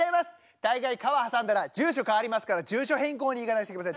大概川挟んだら住所変わりますから住所変更に行かなくちゃいけません。